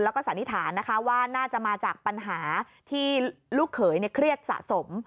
แล้วก็สันนิษฐานนะคะว่าน่าจะมาจากปัญหาที่ลูกเขยเครียดสะสม